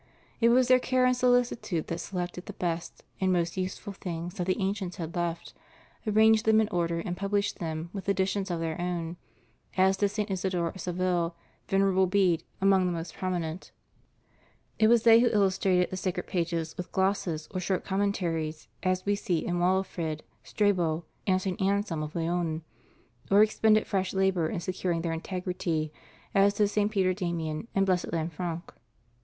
It was their care and solicitude that selected the best and most useful things that the ancients had left, arranged them in order, and published them with additions of their own — as did St. Isidore of Seville, Venerable Bede, and Alcuin, among the most prominent; it was they who illustrated the sacred pages with "glosses" or short commentaries, as we see in Walafrid Strabo and St. Anselm of Laon, or ex pended fresh labor in securing their integrity, as did St. Peter Damian and Blessed Lanfranc.